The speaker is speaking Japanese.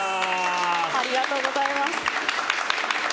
ありがとうございます。